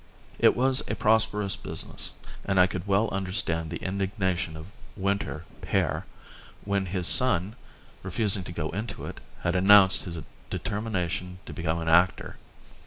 It was a prosperous business and I could well understand the indignation of Winter père when his son, refusing to go into it, had announced his determination to be an actor.